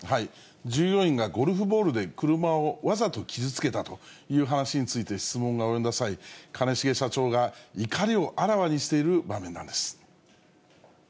従業員がゴルフボールで車をわざと傷つけたという話に質問が及んだ際、兼重社長が怒りをあらわにしている場面なんです。